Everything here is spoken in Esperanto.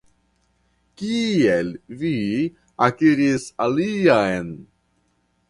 Kiel vi akiris alian?